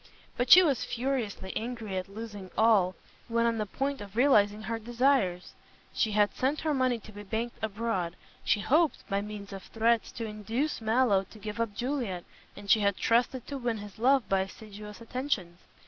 But she was furiously angry at losing all, when on the point of realizing her desires. She had sent her money to be banked abroad; she hoped, by means of threats to induce Mallow to give up Juliet, and she had trusted to win his love by assiduous attentions.